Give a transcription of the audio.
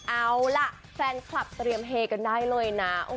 เอาล่ะแฟนคลับเตรียมเฮกันได้เลยนะ